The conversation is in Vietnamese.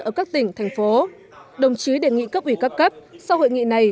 ở các tỉnh thành phố đồng chí đề nghị cấp ủy các cấp sau hội nghị này